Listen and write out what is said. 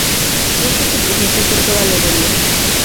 Pronto se representó por toda Alemania.